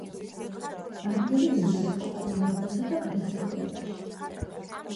რამდენიმეჯერ იყო პატიმრობასა და გადასახლებაში.